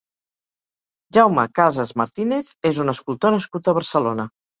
Jaume Cases Martínez és un escultor nascut a Barcelona.